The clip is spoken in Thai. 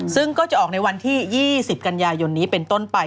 ซึ่งก็จะออกในวันที่๒๐กันยายนนี้เป็นต้นไป